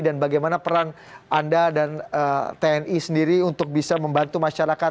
dan bagaimana peran anda dan tni sendiri untuk bisa membantu masyarakat